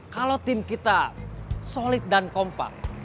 kalau tim kita solid dan kompak